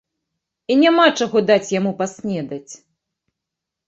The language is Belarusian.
І няма чаго даць яму паснедаць.